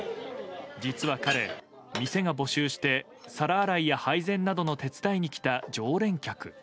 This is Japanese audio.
実は彼、店が募集して皿洗いや配膳などの手伝いに来た常連客。